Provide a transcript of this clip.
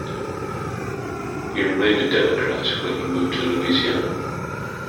He remained a Democrat when he moved to Louisiana.